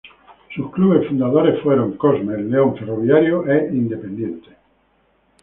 Sus clubes fundadores fueron: Cosme, El León, Ferroviario e Independiente.